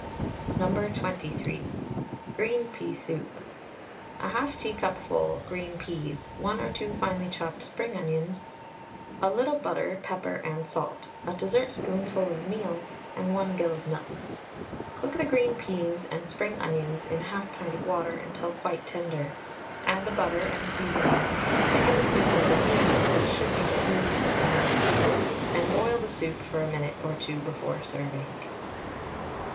No. 23. GREEN PEA SOUP. 1/2 teacupful green peas, 1 or 2 finely chopped spring onions, a little butter, pepper and salt, a dessertspoonful of meal, and 1 gill of milk. Cook the green peas and spring onions in 1/2 pint of water until quite tender. Add the butter and seasoning, thicken the soup with the meal (which should be smoothed with the milk), and boil the soup for a minute or two before serving.